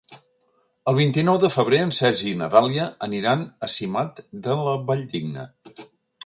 El vint-i-nou de febrer en Sergi i na Dàlia aniran a Simat de la Valldigna.